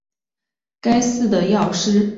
该寺的药师如来像为淡路市的重要文化财产。